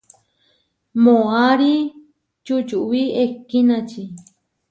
Moʼarí čučuwí ehkínači.